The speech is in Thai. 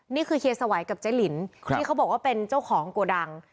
นี่คือเคสไหวกับใจลิ้นที่เขาบอกว่าเป็นเจ้าของกวดัง